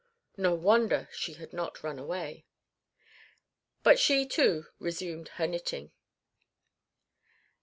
No wonder she had not run away. But she too resumed her knitting.